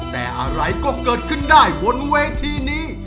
แต่อะไรก็เกิดขึ้นได้บนเวทีนี้